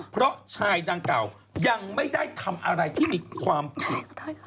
เพราะชายดังเก่ายังไม่ได้ทำอะไรที่มีความผิด